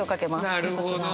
なるほど！